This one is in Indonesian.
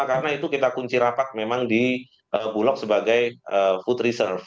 karena itu kita kunci rapat memang di bulog sebagai food reserve